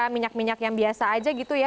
minyak minyak yang biasa aja gitu ya